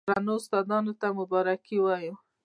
درنو استادانو ته مبارکي وايو،